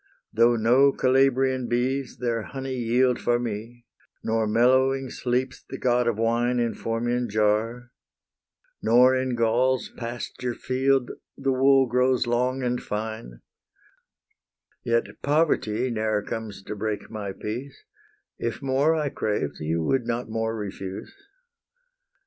Though no Calabrian bees their honey yield For me, nor mellowing sleeps the god of wine In Formian jar, nor in Gaul's pasture field The wool grows long and fine, Yet Poverty ne'er comes to break my peace; If more I craved, you would not more refuse.